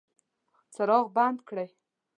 څراغ بند کړئ